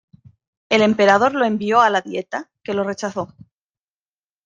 El emperador lo envió a la Dieta, que lo rechazó.